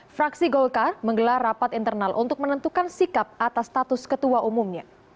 fraksi golkar menggelar rapat internal untuk menentukan sikap atas status ketua umumnya